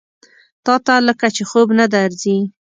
تاته لکه چې خوب نه درځي؟